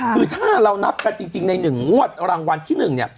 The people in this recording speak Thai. คือถ้าเรานับกันจริงใน๑งวดรางวัลที่๑เนี่ย